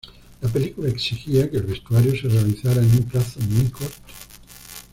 La película exigía que el vestuario se realizará en un plazo muy corto.